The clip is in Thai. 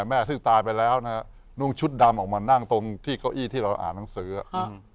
แม่ซึ่งตายไปแล้วนะฮะนุ่งชุดดำออกมานั่งตรงที่เก้าอี้ที่เราอ่านหนังสืออ่ะ